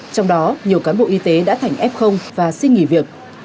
trong đó nhiều cán bộ y tế đã thành f và xin nghỉ việc